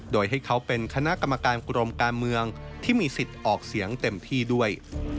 โดยให้เขาเป็นคณะกรรมการกรมการเมืองที่มีสิทธิ์ออกเสียงเต็มที่ด้วย